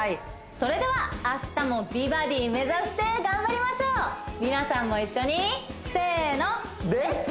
それでは明日も美バディ目指して頑張りましょう皆さんも一緒にせのレッツ！